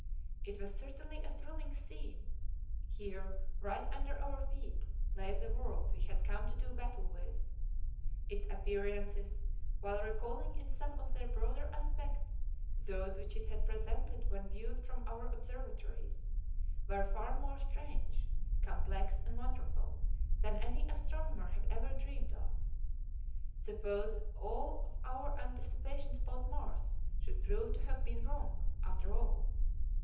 It was certainly a thrilling scene. Here, right under our feet, lay the world we had come to do battle with. Its appearances, while recalling in some of their broader aspects those which it had presented when viewed from our observatories, were far more strange, complex and wonderful than any astronomer had ever dreamed of. Suppose all of our anticipations about Mars should prove to have been wrong, after all?